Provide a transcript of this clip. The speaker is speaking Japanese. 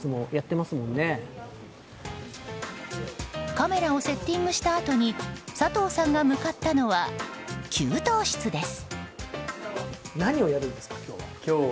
カメラをセッティングしたあとに佐藤さんが向かったのは給湯室です。